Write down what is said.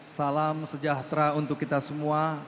salam sejahtera untuk kita semua